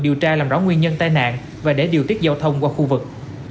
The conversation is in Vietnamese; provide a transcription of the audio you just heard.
điều tra làm rõ nguyên nhân tai nạn và để điều tiết giao thông qua khu vực